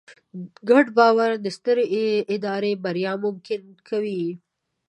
ګډ باور د سترې ادارې بریا ممکنه کوي.